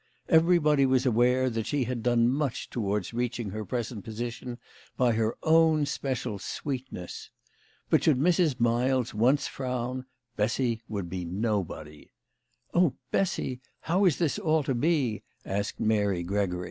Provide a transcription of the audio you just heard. Everybody was aware that she had done much towards reaching her present position by her own special sweetness. But should Mrs. Miles once frown, Bessy would be nobody. " Oh, Bessy, how is this all to be ?" asked Mary Gregory.